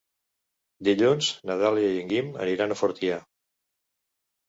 Dilluns na Dàlia i en Guim aniran a Fortià.